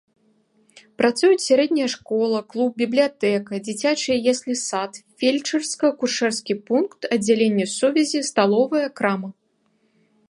Працуюць сярэдняя школа, клуб, бібліятэка, дзіцячыя яслі-сад, фельчарска-акушэрскі пункт, аддзяленне сувязі, сталовая, крама.